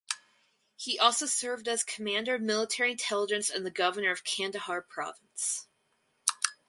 He also served as commander of military intelligence and the governor of Kandahar province.